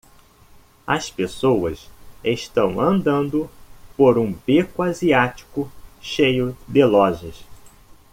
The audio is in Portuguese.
As pessoas estão andando por um beco asiático cheio de lojas.